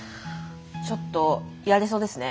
ちょっとやれそうですね。